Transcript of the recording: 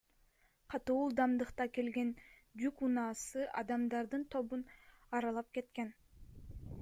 Катуу ылдамдыкта келген жүк унаасы адамдардын тобун аралап кеткен.